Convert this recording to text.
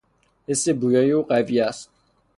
حس بویایی او قوی است.